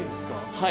はい。